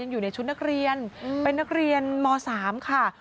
อยู่ในชุดนักเรียนเป็นนักเรียนม๓ค่ะ